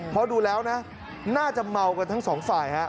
เพราะดูแล้วนะน่าจะเมากันทั้งสองฝ่ายฮะ